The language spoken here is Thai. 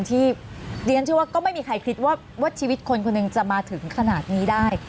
เรียนเชื่อว่าก็ไม่มีใครคิดว่าชีวิตคนคนหนึ่งจะมาถึงขนาดนี้ได้